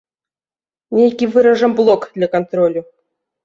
Нейкі выражам блок для кантролю.